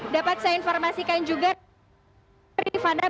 dapat saya informasikan juga rifana